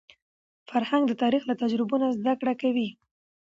فرهنګ د تاریخ له تجربو نه زده کړه کوي.